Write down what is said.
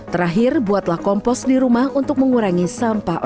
terakhir buat penyelamatkan sampah